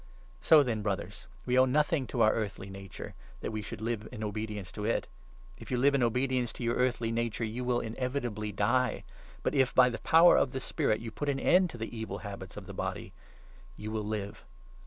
So then, Brothers, we owe nothing to our earthly nature, 12 that we should live in obedience to it. If you live in obedience 13 to your earthly nature, you will inevitably die ; but if, by the power of the Spirit, you put an end to the evil habits of the body, you will live.